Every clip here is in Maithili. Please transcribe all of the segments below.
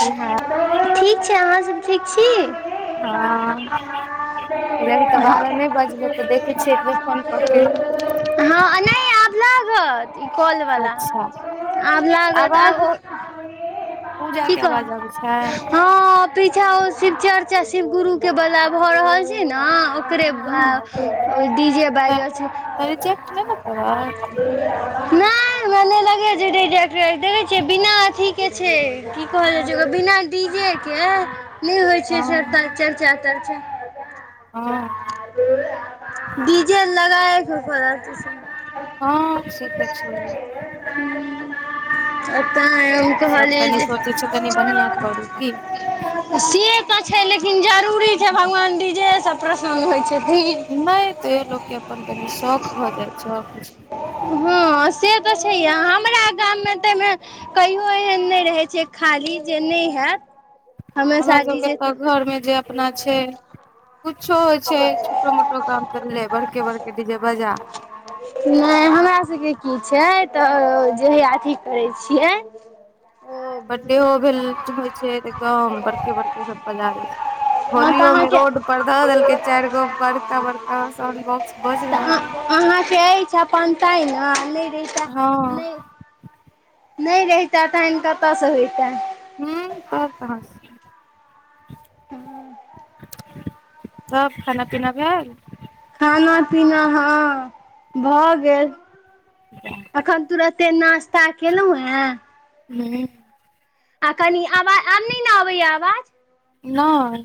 हँ ठीक छै अहाँसभ ठीक छी कह अभी तऽ बारह नहि बजलै तऽ देखैत छियै एकबेर फोन कऽ के हँ नहि आब लागत ई कॉलवाला अच्छा आब लागत आब आवाज पूजा के आबाज आबै छै ह पीछा ओ शिव चर्चा शिव गुरु के बाला भऽ रहल छै ने ओकरे हूँ डी जे तऽ बाजि रहल छै तऽ रिजेक्ट नहि ने करत नहि हमरा नहि लगेय देखे छिय बिना अथी के छै की कहल बिना डी जे के नहि होय छै हँ चर्चा तर्चा हॅं डिजे लगाय कऽ भऽ रहल छै हँ से त छै अ तांय हम सब कहली कनि जे सोचै छै कनि बढ़िआं करू की से तऽ छै लेकिन जरूरी छै भगवान डीजेसँ प्रसन्न होइ छथिन नहि तैयो लोकके अपन कनि शौक भऽ जाइ छथि हँ से तऽ छैह हमरा गाममे तऽ कहियो एहन नहि रहै छै खाली जे नहि हेत हमरा सभके तऽ घरमे जे अपना छै कुछो छै छोटो मोटो काम कर ले बड़के बड़के डीजे बाजा नहि हमरा सबके की छै तऽ ज हिया अथी करैछियै बड्डेओ भेल होइ छै तऽ एकदम बड़के बड़के सब बजारै छै हँ तऽ होलियो में अहाँके रोड पर ध देलकै चारि गो बड़का बड़का साउंड बॉक्स बुझल तऽ अहाँके प चाह ने नहि रहै हँ नहि रहिता तहन कतयसँ होयता हू त कहस [inaudible] तब खाना पीना भएल खाना पीना हँ भऽ गेल [inaudible] अखन तुरते नास्ता केलहुॅं हे हूं आ कनि आवाज आब नहि ने अबैय आवाज नय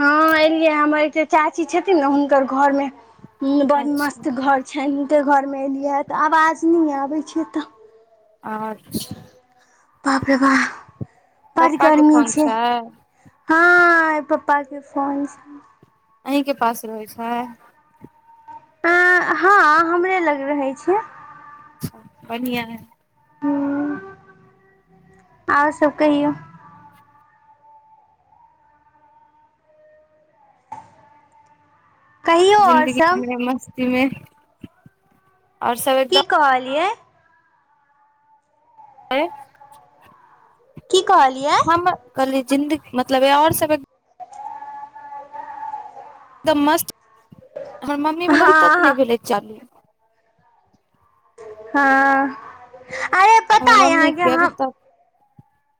हँ एलियै हमर एक चाची छथिन ने हुनकर घर में बड़ अच्छा मस्त घर छैने हुनकर घरमे एलिय हँ तऽ आवाज नहि आबै छै एतऽ अच्छा बाप रे बाप बड्ड पप्पा के गर्मी फोन छै हँ पप्पा के फोन छै अहीं के पास रहै छैै अ हँ हमरे लग रहे छै बढ़िआँ है ह आओर सब कहियौ कहियौ आओर जिन्दगी सब मे मस्ती मे और सब एकदम की कहलियै आँय की कहलियै हम कहली जिन्दगी मतलब और सब एकदम मस्त हमर मम्मी वला अभी तक हँ नहि भेलै चालू हँ आ ये हमर मम्मी के अभी तक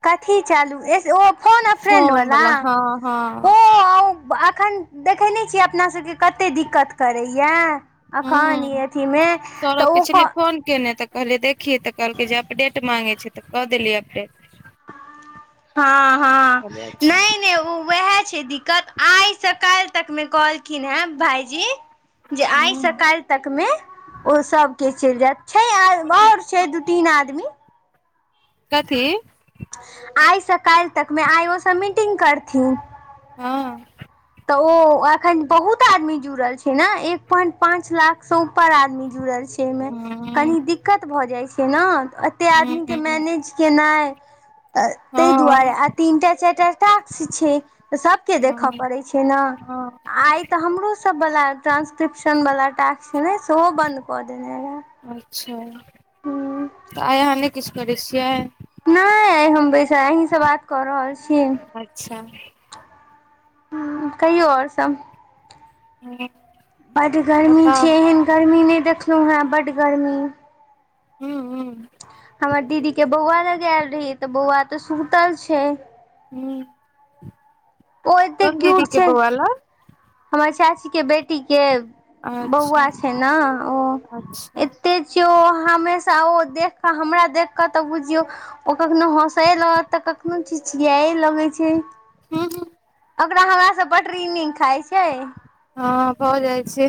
कथी चलूएह ओ फोन फ्रेंड वला बला हँ हँ ओ अखन देखैने छियै अपना सबके कतेक दिक्कत करैए अखन इ हूँ अथिमे सौरभ तऽ के छलियै ओ फोन केने तऽ कहलियै देखीयै तऽ कहलकै जे अपडेट माँगै छै तऽ कऽ देलियै अपडेट हँ हँ कहलियै अच्छा नहि नहि ओ वएह छै दिक आइ सकाइल तक मे कहलखिन हे भाईजी जे आइ हूँ सकाइल तक मे ओ सबके चलि जायत छै आऔर छै दू तीन आदमी कथी आइसँ काइल तकमे आइ ओसबमीटिंग करथिन हँ तऽ ओ अखन बहुत आदमी जुड़ल छै ने एक पोइंट पांच लाख से ऊपर आद आदमी जुड़ल छै ओहिमे हूँ कनी दिक्कत भऽ जाइ छै ने एते हूँ आदमीके हूँ मैनेज केनाइ तैहि दुआरे हँ आ तीन टा चाइर टा टाक्स छै त सबके देख हँ छै ने हँ आइ तऽ हमरोसब वला ट्रान्स्क्रिप्शन बला टास्क ने सेहो बन्द कऽ देने रहै अच्छा तऽ आइ अहाँ नहि किछ करै छियै नहि आइ हम बैसल अहींसँ बात कऽ रहल छी अच्छा हॉं कहियौ आओर सब ह [unintelligible] बड गर्मी छै एहन गर्मी नहि देखलहु है बड गर्मी हू हू हमर दीदी के बौआ लग आयल रही तऽ बौआ तऽ सुतल छै ओ एते कोन दिदी क्यूट के छै बउआ लग हमर चाची के बेटी के बौआ अच्छा छै ने ओ अच्छा ओतेक छियौ हमेशा ओ देखि कऽ हमरा देखि कऽ तऽ बुझियौ ओ कखनो हँसे रहत तऽ कखनो ची छिया लगे छै हू ह ओकरा हमरा स बडड रिनिंग खाइ छै हँ भऽ जाइ छै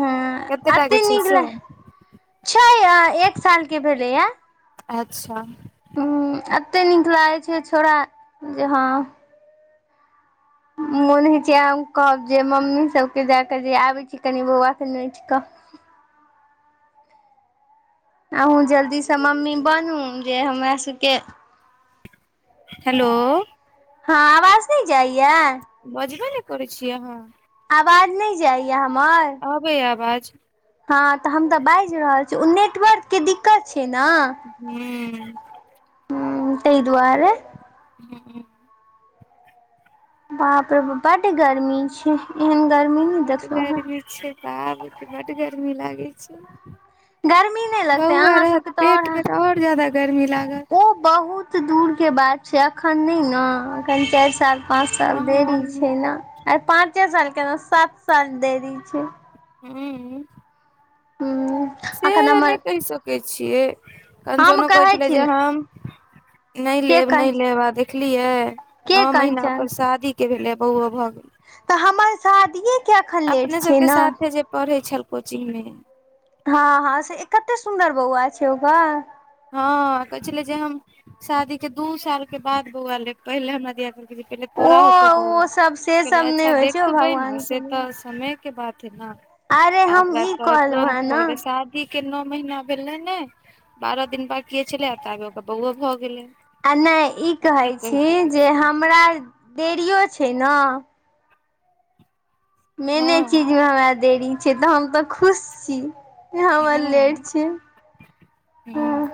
ह कते टा एते के छै नीक से ल छै एक सालके भेलैया अच्छा हूं एते नीक लागै छै छौड़ा जे हँ मोन होइ छै हम कहब जे मम्मी सबके जा कऽ जे आबै छी कनि बौआ के नोच कऽ अहूँ जल्दी सँ मम्मी बनू जे हमरा सभके हेलो हँ आवाज नहि जाइया बजबे ने करै छिय अहाँ आवाज नहि जाइया हमर आबै या आवाज हँ तऽ हम तऽ बाजि रहल छी ओ नेटवर्क के दिक्कत छै ने हू हूं तहि दुआरे हूँ बाप रे बा बड गर्मी छै एहन गर्मी नहि बड देखलहुँ हेँ गरमी छै बाप बड्ड गरमी लागै छै गर्मी नहि लगते बौआ अहाँ रहत सबके तो पेट मे आऔर तऽ आओर ज्यादा गर्मी लागत ओ बहुत त दूर के बात छै एखन नहि ने एखन चारि साल पाँच हँ साल देरी छै ने आ पाँचे साल केना सात साल देरी छै हूँ हूँ से नहि कहि सकै छियै हम कंचोनो कहै छलै छी जे ने हम नहि के लेब नहि कंचन लेब आ देखलियै नओ के महीना कंचन ओकर शादी के भेलै बौओ भऽ गेलै तऽ हमर शादियेके एखन लेट अपने छै सबके ने साथे जे पढ़ै छल कोचिंग मे हँ हँं से कते सुन्दर बौआ छै ओकर हँ कहे छले जे हम शादी के दू साल के बाद बौआ लेब पहिले हमरा दिया कहले तोरा होतौ ओ बौआ ओ सब से कहले सब नहि अच्छा होइ छै ओ देखबै ने भगवान के से देन। तऽ समय के बात है न अरे आ हम ओकरा ई तऽ कहलहुँ तुरंत हेँ भ ने गेले सात के नओ महीना भेले ने बारह दिन बाकि छलै ताबे ओकर बौओ भऽ गेलै आ नहि ई आब की कहैत कहि छी सकै जे छियै हमरा देरियो छै ने मेने चीज हँ हमरा देरी छै तऽ हम तऽ खुश छी हमर लेट हँ छी हॅं हूँ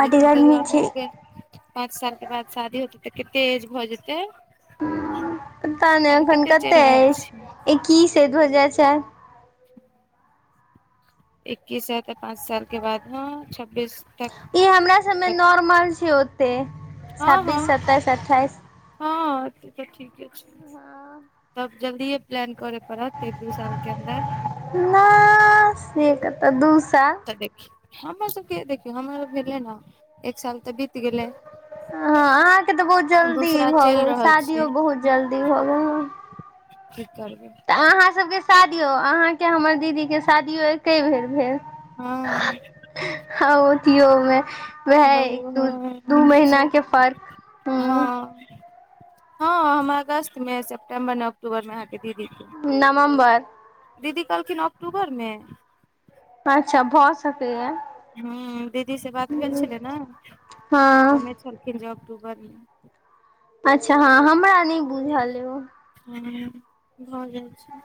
लेकिन तैयो अहाँके पाँच साल के बाद शादी होते तऽ कते एज भऽ जेते पता नहि अखन चलि कते रहल छी अछि एक्कीस हे दो हजार चार इक्कीस ह तऽ पाँच सालके बाद ह छब्बीस तक ई हमरा सबमे नॉर्मल छै ओते हँ छब्बीस हँ सत्ताईस अठ्ठाइस हँ तऽ ठीके छै तब जल्दिए प्लान करय पड़त एक दू साल के अन्दर नै से कतऽ दू साल तऽ देखिय हमर सबके देखियौ हमर ल भेले ने एक साल तऽ बीत गेलै ह आहाँके तऽ बहुत जल्दी दूसरा भऽ चलि गेल रहल शादियो बहुत जल्दी भऽ गेल कि करबै तऽ आहाँ सभके शादियो आहाँके हमर दीदीके शादियो एके बेर भेल हँ हाँ थियोमे वहे बौआ दू हँ दू ठीके महीना छै के फर्क हूँ हँ हँ हमरा अगस्तमे सेप्टेम्बर नहि अक्टूबरमे आहाँके दीदी नवम्बर दीदी कहलखिन अक्टूबरमे अच्छा भऽ सकैए ह दीदी से बात भेल छलै ने हँ कने छलखिन जे अक्टूबर मे अच्छा हँ हमरा नहि बुझल यौ ह भ जाइ छै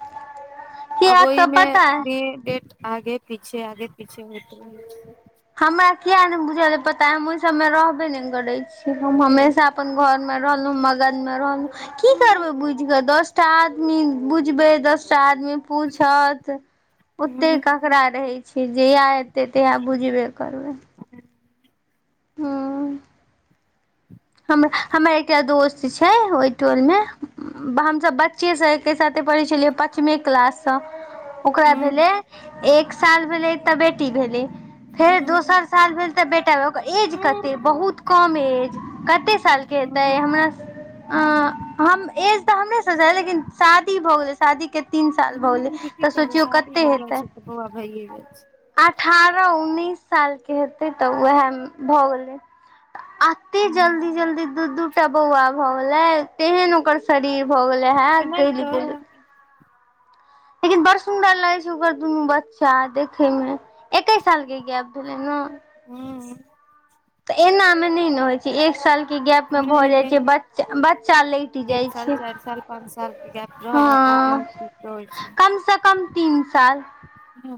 आब कियाक तऽ ओहिमे पता अइ ई डेट आगे पीछे आगे पीछे होइत रहय छै हमरा किया ने बुझल य पता हय हम ओहि सब मे रहबे नै करै छी हम हमेशा अपन घर मे रहलहुँ मगन मे रहलहु की करबै बुझि कऽ दस आदमी बुझबै दसटा आदमी पूछत ओते केकरा रहै छै जहिया हेतै तहिया बुझबे करबै हँ हम हमर एकटा दोस्त छै ओहि टोल मे हमसभ बच्चे से एके साथे पढ़ै छलियै पाँचमे क्लाससँ ओकरा भेले एक साल भेले तऽ बेटी भेले फेर दोसर साल भेल त बेटा एज कते बहुत कम एज कते साल के हेते हमरा एज तऽ हमर लेकिन शादी भ गेले शादी के तीन साल भऽ गेलै छै की तऽ करबै सोचियौ शादी कते भऽ जाइ हेतै छै बौआ भइ जाय छै अठारह उन्नीस साल के हेतै तऽ उ हय में भऽ गेलै एते जल्दी जल्दी दू दू टा बौआ भ गलै तेहन ओकर शरीर भऽ गेले छै हय नहि गलि गेलै तऽ लेकिन बड़ सुन्दर लगै छै ओकर दुनू बच्चा देखे मे एके साल के गैप भेलै न हू तऽ एना मे नहि न होय छै एक साल के गैप मे भऽ नहि जाइ नहि छै बच्चा बच्चा लैट जाय छै दू साल के गैप हँ रहल न त कनि ठीक रहय कम से छै कम तीन साल हू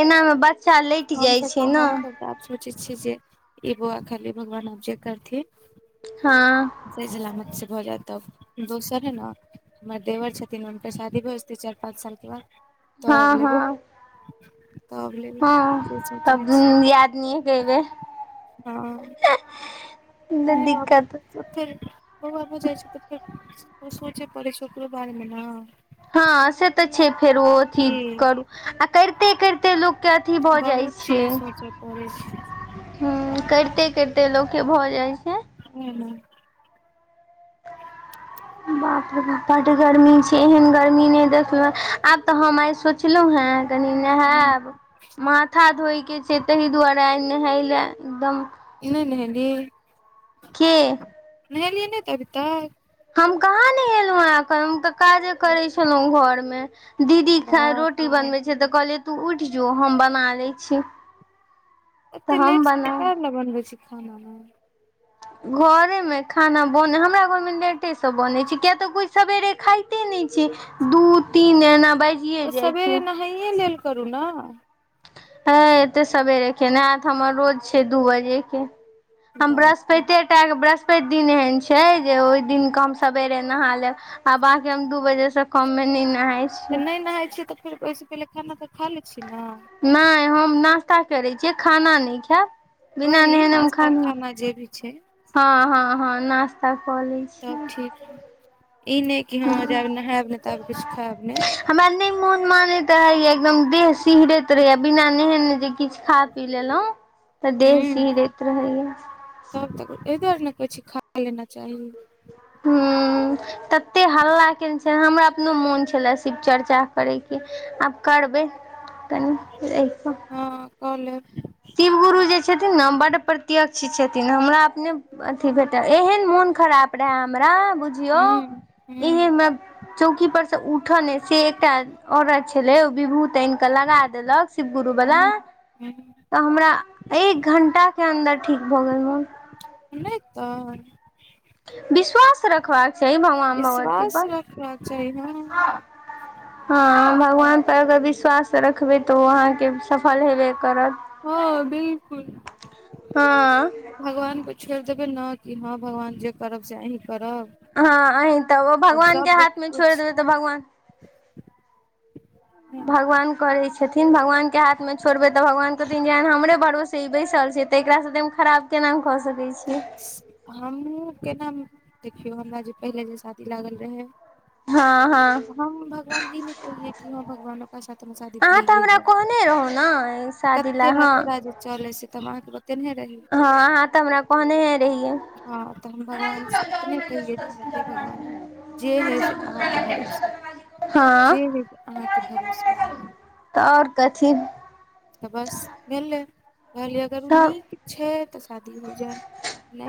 एनामे बच्चा लैट जाय छै तऽ न हमसभ तऽ आब सोचै छियै जे ई बौआ खाली भगवान अब जे करथि हँ सही सलामत से भऽ जाय त दोसर हय न हमर देवर छथिन हुनकर शादी भ जेतै चारि पाँच साल के बाद हँ तब लेबै हँ तब लेबै से हँ सोचने तब छी दूनु दियादनी एके बेर हँ नहि बाबू दिक्कत फेर बौआ स्कूल जाय छै तऽ फेर सोचे पड़ै छै ओकरो बारे मे ने हँ से तऽ छै फेर ओ अथी कि करू आ करिते करिते लोकके अथी भऽ जाइ बहुत चीज सोचऽ पड़ै छै हूँ करिते करिते लोक के भ जाय छै हू ह [inaudible] बाप राप बड गर्मी छै एहन गर्मी नहि देखलू आब तऽ हम आइ सोचलहुं हें कनी हूँ, नहायब माथा धोय के छै ताहि दुआरे नहालय ले एकदम नइ नेहली केे नेएलहिए नही अभी तक हम कहाँ नेएलहुँ ह एखन हम तऽ काजे करै छलहुँ घर मे दीदी बाप रोटी रे बनबे बाप छै तऽ कहलिये तू उठ जो हम बना ले छी एते तऽ हम लेट से बनाउ खाना बनबै छी घरे मे खाना बने हमरा घर मे लेटेसँ बन छै किया तऽ को सबेेरे खाइ तऽ े नहि छै दू तीन एना बाजिे जाइ छै खाए लेल करू ने हे एते सबेरे के ने आयत हमर रोज छै दू बजे के हम बाप रे बृहस्पतिे टा वृहस्प पत दिन एहन छै जे ओहि दिनक कऽ हम सबेरे नहा लेब आब आके हम दू बजे से कम मे न नाहाय तऽ नहि नहााय छियै तऽ फेर ओहिसँ पहिले खाना तऽ खा लै छी ने नहि हम नास्ता करैत छियै खाना नहि खायब बिना वही नहेने हम नाश्ता खाना जे भी छै हँ हँ हँ ना श्ता कऽ लै तब छियै ठीक ह ई नहि कि हँ जेब नहायब ने त आब किछु खायब नहि हमरा नहि मोन मानैत रहया एकदम देह सिहरैत रहेया बिना नेहेन जे किछ खा पी लेलहुँ तऽ ह देह सीहरैत रहैया तब तक एहि दुआरे ने कहै छै खा लेना चाही ह तते हल्ला केने छ हमरा अपनो मोन छलए शिव चर्चा करय आब करबै तनि रहिऽ हँ क लेब शिव गुरु जे छथिन ने बड प्रत्यक्ष छथिन हमरा अपने अथी भेटल एहन मोन खराब रहए हमरा बुझियौ ह ह एहमे चौकी पर से उठने से एकटा औरत छलै ओ विभूत अइनक लगा देलक शिवगुरु बला ह तऽ हमरा एक घण्टाके अन्दर ठीक भऽ गेल मोन नहि तऽ विश्वास रखबाक चाही भगवान भगवती विश्वास पर रखबाक चाही हँ भगवानपर अगर विश्वास रखबै तऽ ओ अहाँके सफल हेबे करत हँ बिलकुल हँ भगवानके छोड़ि देबै ने कि हँ भगवान जे करब से अहीं करब हँ अहीं तऽ तब भगवान के सब हाथ मे छोड़ कुछ देबै तऽ भगवान [inaudible] भगवान करै छथिन भगवानके हाथमे छोड़बै तऽ भगवान कहथिन जेहन हमरे भड़ोसे ई बैसल छै तऽ एकरा से उ खराब केना भ्ऽ सकैत छै तऽ हमहुँ केना देखियौ हमरा जे पहिले जे शादी लागल रहय हँ हँ हम भगवती जी के पुजे छी हँ भगवान के नशा तशा अहाँ तऽ हमरा कहने रहौ न शादी लए हँ चलै से त बात बतेने रही हँ अहाँ तऽ हमरा कहने हे रहियै हँ तऽ हम भगवान से इतने कहिए भी हे भगवान जे है से अहाँके भरोसे हँ जे है से अहाँके भरोसे तऽ ओर कथी तऽ बस भेलै कहलियै अगर ओ सब नीक छै तऽ शादी हो जाय नहि